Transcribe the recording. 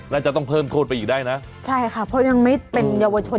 น่าจะต้องเพิ่มโทษไปอีกได้นะใช่ค่ะเพราะยังไม่เป็นเยาวชน